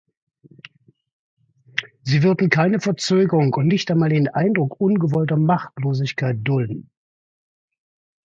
Sie würden keine Verzögerung und nicht einmal den Eindruck ungewollter Machtlosigkeit dulden.